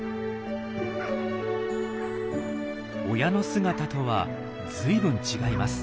親の姿とは随分違います。